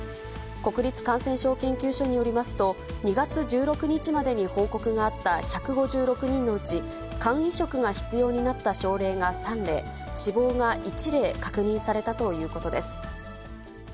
国立感染症研究所によりますと、２月１６日までに報告があった１５６人のうち、肝移植が必要になった症例が３例、死亡が１例確認されたということです。